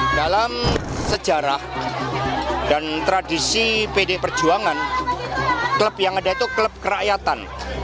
dalam sejarah dan tradisi pd perjuangan klub yang ada itu klub kerakyatan